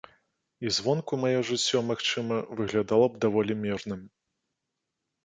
І звонку маё жыццё, магчыма, выглядала б даволі мірным.